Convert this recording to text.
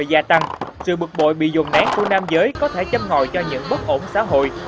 gia tăng sự bực bội bị dồn nén của nam giới có thể châm ngòi cho những bất ổn xã hội